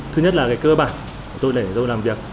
thứ nhất là về cơ bản tôi để tôi làm việc